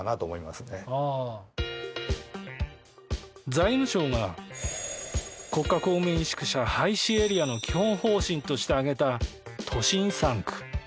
財務省が国家公務員宿舎廃止エリアの基本方針として挙げた都心３区。